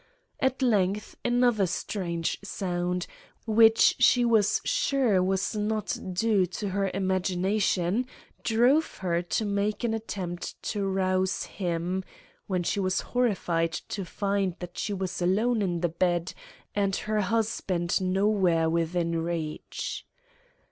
At length another strange sound, which she was sure was not due to her imagination, drove her to make an attempt to rouse him, when she was horrified to find that she was alone in the bed, and her husband nowhere within reach.